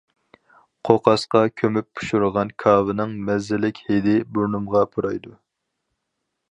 قوقاسقا كۆمۈپ پىشۇرغان كاۋىنىڭ مەززىلىك ھىدى بۇرنۇمغا پۇرايدۇ.